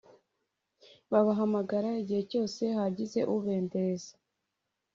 Babahamagara igihe cyose hagize ubendereza